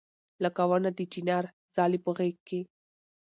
لکه ونه د چنار ځالې په غېږ کې